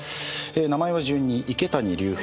名前は順に池谷隆平